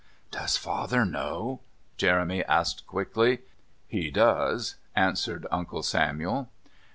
"Does father know?" Jeremy asked quickly. "He does," answered Uncle Samuel.